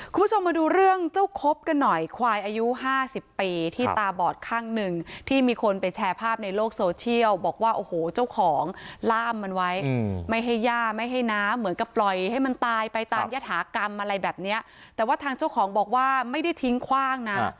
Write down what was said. คุณผู้ชมมาดูเรื่องเจ้าครบกันหน่อยควายอายุห้าสิบปีที่ตาบอดข้างหนึ่งที่มีคนไปแชร์ภาพในโลกโซเชียลบอกว่าโอ้โหเจ้าของล่ามมันไว้ไม่ให้ย่าไม่ให้น้ำเหมือนกับปล่อยให้มันตายไปตามยฐากรรมอะไรแบบเนี้ยแต่ว่าทางเจ้าของบอกว่าไม่ได้ทิ้งคว่างนะ